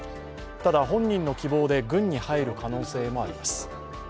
ただ、本人の希望で軍に入る可能性もあります。